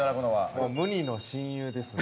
◆もう無二の親友ですね。